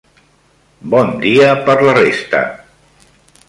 Bon dia per la resta.